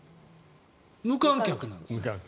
無観客なんですよ。